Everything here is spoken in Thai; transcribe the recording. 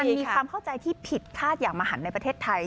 มันมีความเข้าใจที่ผิดคาดอย่างมหันในประเทศไทย